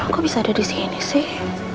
kok bisa ada disini sih